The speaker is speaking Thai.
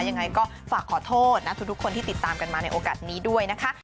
ยังไงก็ฝากขอโทษนะทุกคนที่ติดตามกันมาในโอกาสนี้ด้วยนะคะ